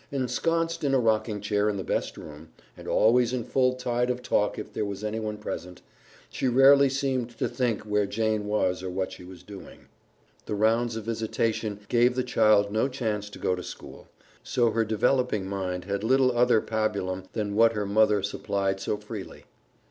Ensconced in a rocking chair in the best room, and always in full tide of talk if there was anyone present, she rarely seemed to think where Jane was or what she was doing. The rounds of visitation gave the child no chance to go to school, so her developing mind had little other pabulum than what her mother supplied so freely.